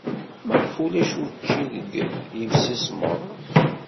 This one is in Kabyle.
Maɣef ulac akk učči deg yimsismeḍ?